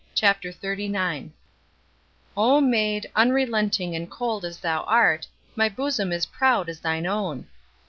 CHAPTER XXXIX O maid, unrelenting and cold as thou art, My bosom is proud as thine own.